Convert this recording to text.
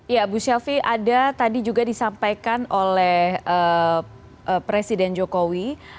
ya bu shelfie ada tadi juga disampaikan oleh presiden jokowi